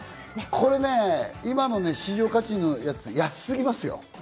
今の市場価値のやつ、安すぎますよ。